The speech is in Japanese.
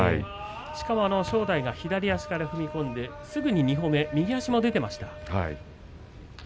しかも正代は左足から踏み込んですぐに２歩目右足が出ていました。